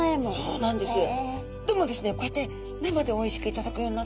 そうなんですね。